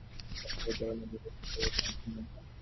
লাশটাকে দেয়ালের মধ্যে গেঁথে ফেলার সিদ্ধান্ত নিলাম।